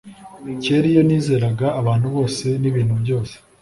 kera iyo nizeraga abantu bose nibintu byose